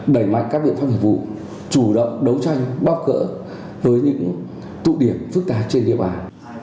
đẩy mạnh các biện pháp hợp vụ chủ động đấu tranh bóp cỡ với những tụ điểm phức tạp trên địa bàn